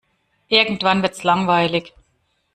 Irgendwann wird's langweilig.